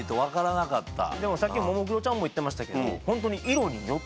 さっきももクロちゃんも言ってましたけどホントに。